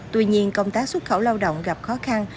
tuy nhiên công tác xuất khẩu lao động gặp khó khăn